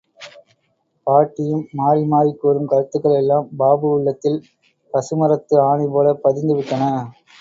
பாட்டியும் மாறி மாறிக் கூறும் கருத்துக்கள் எல்லாம் பாபு உள்ளத்தில் பசுமரத்து ஆணிபோல பதிந்து விட்டன.